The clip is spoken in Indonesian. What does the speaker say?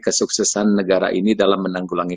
kesuksesan negara ini dalam menanggulangi